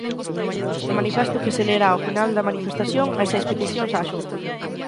No manifesto que se lerá ao final da manifestación hai seis peticións á Xunta.